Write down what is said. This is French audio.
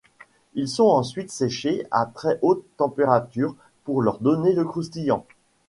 Ils sont ensuite séchés à très haute température pour leur donner le croustillant.